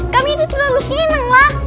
kami itu terlalu senenglah